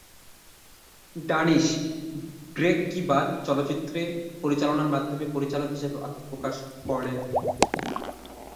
Danish "Break Ke Baad" চলচ্চিত্রে পরিচালনার মাধ্যমে পরিচালক হিসেবে আত্মপ্রকাশ করেন।